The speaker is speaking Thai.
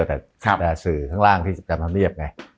ประชาฬาสื่อข้างล่างที่ทำทำเย็บไง